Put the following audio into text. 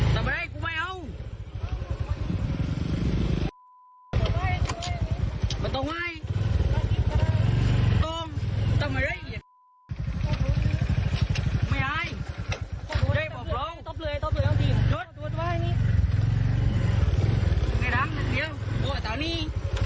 ใกล้ทั้งยูวดูอัดตาวนี้